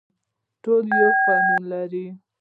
ټول یو قانون لري